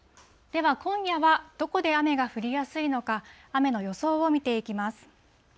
では、今夜はどこで雨が降りやすいのか、雨の予想を見ていきます。